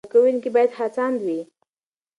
زده کوونکي باید هڅاند وي.